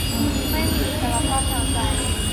ไม่มีอิสรภาพทางใจ